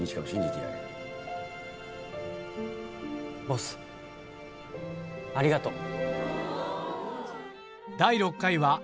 ボスありがとう。